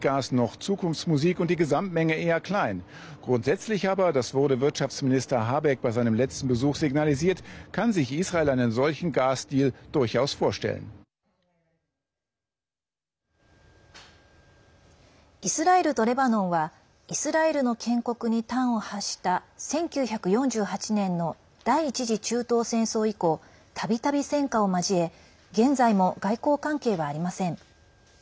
イスラエルとレバノンはイスラエルの建国に端を発した１９４８年の第１次中東戦争以降たびたび、戦火を交え現在も外交関係はありません。